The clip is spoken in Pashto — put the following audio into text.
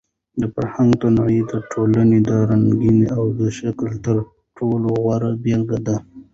فرهنګي تنوع د ټولنې د رنګینۍ او د ښکلا تر ټولو غوره بېلګه ده.